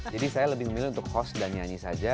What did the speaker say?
jadi saya lebih memilih untuk host dan nyanyi saja